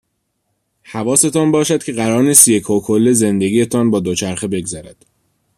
حواستان باشد که قرار نیست یکهو کل زندگی تان با دوچرخه بگذرد.